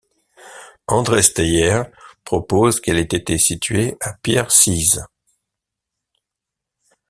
André Steyert propose qu’elle ait été située à Pierre-Scyze.